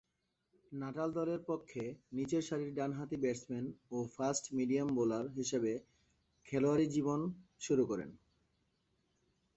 Natal দলের পক্ষে নিচেরসারির ডানহাতি ব্যাটসম্যান ও ফাস্ট মিডিয়াম বোলার হিসেবে খেলোয়াড়ী জীবন শুরু করেন।